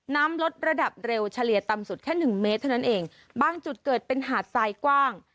น้ำลดระดับเร็วเฉลี่ยต่ำสุดแค่หนึ่งเมตรเท่านั้นเองบางจุดเกิดเป็นหาดทรายกว้าง